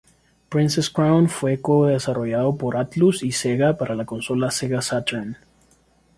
Princess Crown fue co-desarrollado por Atlus y Sega para la consola Sega Saturn.